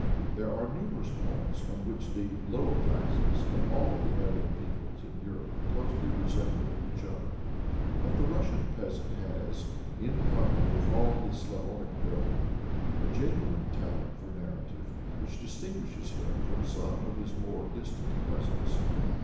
There are numerous points on which the "lower classes" of all the Aryan peoples in Europe closely resemble each other, but the Russian peasant has in common with all his Slavonic brethren a genuine talent for narrative which distinguishes him from some of his more distant cousins.